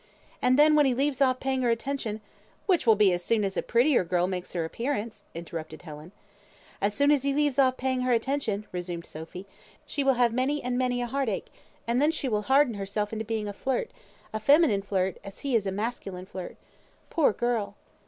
And then, when he leaves off paying her attention " "Which will be as soon as a prettier girl makes her appearance," interrupted Helen. "As soon as he leaves off paying her attention," resumed Sophy, "she will have many and many a heart ache, and then she will harden herself into being a flirt, a feminine flirt, as he is a masculine flirt. Poor girl!"